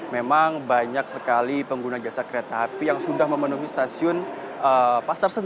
memang banyak sekali pengguna jasa kereta api yang sudah memenuhi stasiun pasar senen